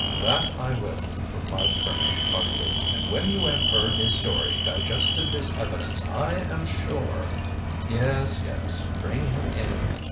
"That I will," replied Trimmer heartily. "And when you have heard his story, digested his evidence, I am sure " "Yes, yes. Bring him in."